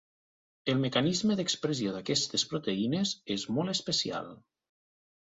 El mecanisme d'expressió d'aquestes proteïnes és molt especial.